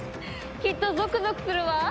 きっとゾクゾクするわ！